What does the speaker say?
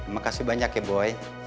makasih banyak ya boy